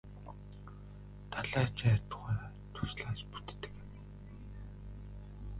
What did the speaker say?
Далай ч атугай дуслаас бүтдэг юм.